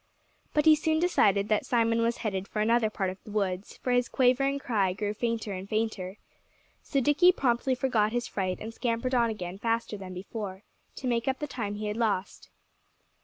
But he soon decided that Simon was headed for another part of the woods, for his quavering cry grew fainter and fainter. So Dickie promptly forgot his fright and scampered on again faster than before, to make up the time he had lost.